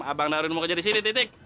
abang darwin mau kerja disini titik